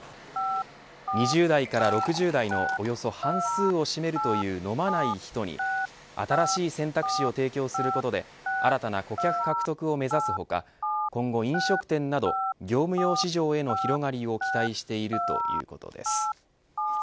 ２０代から６０代のおよそ半数を占めるという飲まない人に新しい選択肢を提供することで新たな顧客獲得を目指す他今後、飲食店など業務用市場への広がりを期待しているということです。